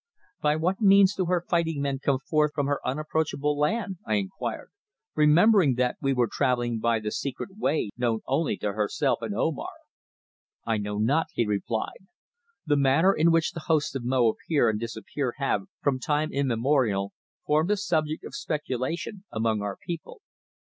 "By what means do her fighting men come forth from her unapproachable land?" I inquired, remembering that we were travelling by the secret way known only to herself and Omar. "I know not," he replied. "The manner in which the hosts of Mo appear and disappear have, from time immemorial, formed a subject of speculation among our people.